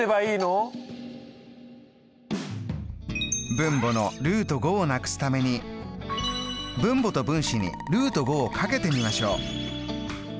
分母のをなくすために分母と分子にをかけてみましょう。